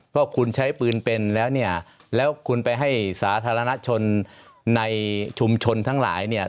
เพราะคุณใช้ปืนเป็นแล้วเนี่ยแล้วคุณไปให้สาธารณชนในชุมชนทั้งหลายเนี่ย